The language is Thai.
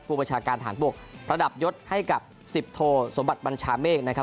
ประชาการฐานบกระดับยศให้กับสิบโทสมบัติบัญชาเมฆนะครับ